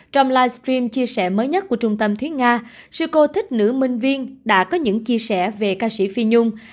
trong livestream chia sẻ mới nhất của trung tâm thúy nga sico thích nữ minh viên đã có những chia sẻ về ca sĩ phi nhung